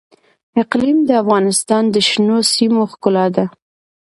اقلیم د افغانستان د شنو سیمو ښکلا ده.